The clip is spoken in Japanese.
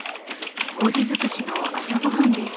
こうじ尽くしの朝ごはんです。